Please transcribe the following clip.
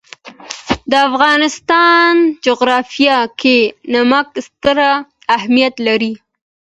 د افغانستان جغرافیه کې نمک ستر اهمیت لري.